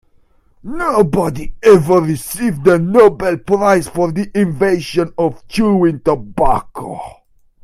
Nobody ever received the Nobel prize for the invention of chewing tobacco.